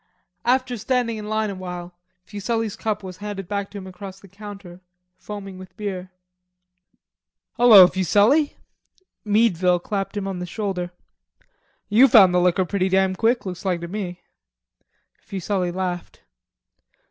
After standing in line a while, Fuselli's cup was handed back to him across the counter, foaming with beer. "Hello, Fuselli," Meadville clapped him on the shoulder. "You found the liquor pretty damn quick, looks like to me." Fuselli laughed.